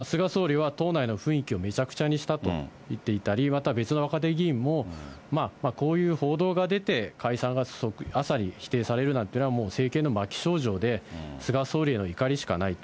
菅総理は党内の雰囲気をめちゃくちゃにしたと言っていたり、あるいはまた別の若手議員も、こういう報道が出て、解散があっさり否定されるなんていうのは、もう政権の末期症状で、菅総理への怒りしかないと。